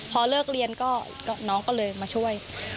พอเลิกเรียนก็น้องก็เลยมาช่วย